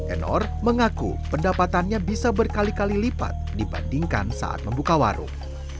enor mengaku pendapatannya bisa berkali kali lipat dibandingkan saat membuka warung